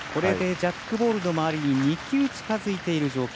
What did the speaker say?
ジャックボールの周りに２球近づいた状況。